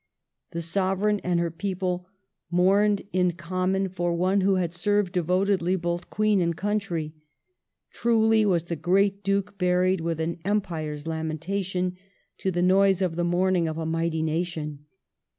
The Sovereign and ^^^Jd^^ her people mourned in common for one who had served devotedly lington both Queen and country. Truly was the great Duke buried " with an Empire's lamentation ";to the noise of the mourning of a mighty nation